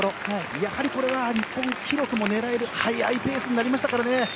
やはりこれは日本記録も狙える速いペースになりましたからね。